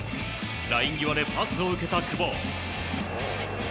ライン際でパスを受けた久保。